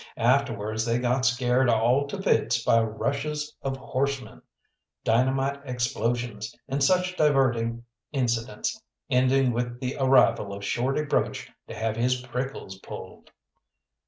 Afterwards they got scared all to fits by rushes of horsemen, dynamite explosions, and such diverting incidents, ending with the arrival of Shorty Broach to have his prickles pulled.